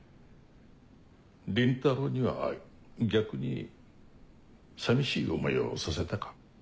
倫太郎には逆に寂しい思いをさせたか？